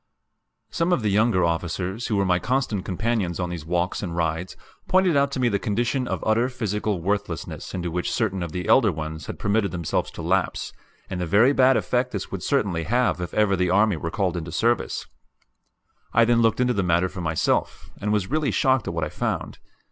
Some of the younger officers who were my constant companions on these walks and rides pointed out to me the condition of utter physical worthlessness into which certain of the elder ones had permitted themselves to lapse, and the very bad effect this would certainly have if ever the army were called into service. I then looked into the matter for myself, and was really shocked at what I found.